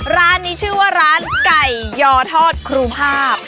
ร้านนี้ชื่อว่าร้านไก่ยอทอดครูภาพ